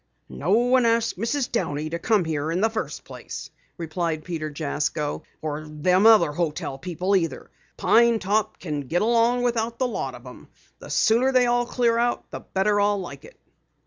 "No one asked Mrs. Downey to come here in the first place," replied Peter Jasko. "Or them other hotel people either. Pine Top can get along without the lot of 'em. The sooner they all clear out the better I'll like it."